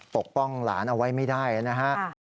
ปกป้องหลานเอาไว้ไม่ได้นะฮะ